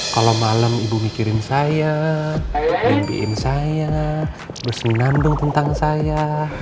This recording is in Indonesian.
kalau malam ibu mikirin saya mimpiin saya bersenandung tentang saya